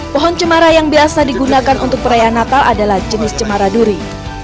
pohon cemara yang biasa digunakan untuk perayaan natal adalah jenis cemara duri